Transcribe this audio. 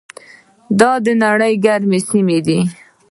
دا د نړۍ ګرمې سیمې دي.